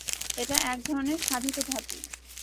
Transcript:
এটা এক ধরনের সাধিত ধাতু।